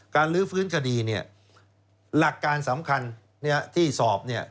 ลื้อฟื้นคดีเนี่ยหลักการสำคัญที่สอบเนี่ย